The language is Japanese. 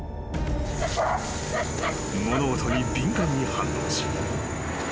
［物音に敏感に反応し］